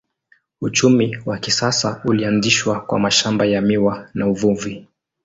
Uchumi wa kisasa ulianzishwa kwa mashamba ya miwa na uvuvi.